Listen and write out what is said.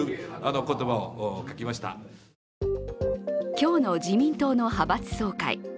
今日の自民党の派閥総会。